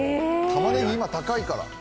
たまねぎ、今高いから。